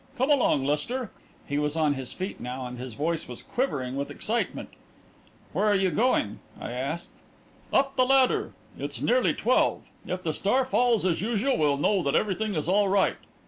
Come along, Lester!" He was on his feet now, and his voice was quivering with excitement. "Where are you going?" I asked. "Up the ladder. It's nearly twelve. If the star falls as usual, we'll know that everything is all right.